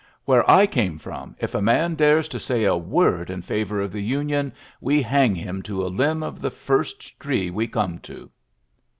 Where ULYSSES S. GEAJSTT 37 came from, if a man dares to say a word in favour of the Union, we hang him to a limb of the first tree we come to.''